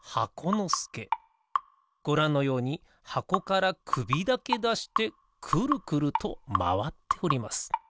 ごらんのようにはこからくびだけだしてくるくるとまわっております。